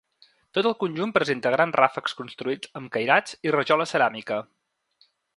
Tot el conjunt presenta grans ràfecs construïts amb cairats i rajola ceràmica.